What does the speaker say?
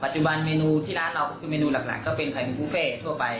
จุบันเมนูที่ร้านเราก็คือเมนูหลักก็เป็นไข่บุฟเฟ่ทั่วไป